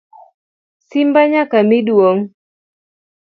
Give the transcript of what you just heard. Simba nyaka mi duong.